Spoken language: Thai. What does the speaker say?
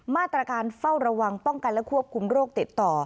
มาตรการเฝ้าระวังป้องกันและควบคุมโรคติดต่อ